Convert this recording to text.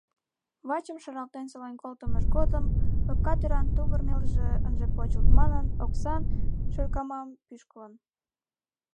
Вачым шаралтен солен колтымыж годым лопка тӱран тувырмелже ынже почылт манын, оксан шыркамам пӱшкылын.